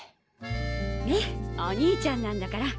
ねっお兄ちゃんなんだから。